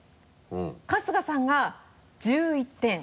春日さんが１１点。